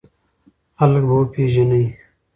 خلک به وپېژنې!